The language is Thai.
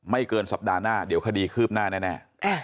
เกินสัปดาห์หน้าเดี๋ยวคดีคืบหน้าแน่